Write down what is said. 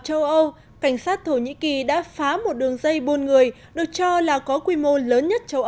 châu âu cảnh sát thổ nhĩ kỳ đã phá một đường dây buôn người được cho là có quy mô lớn nhất châu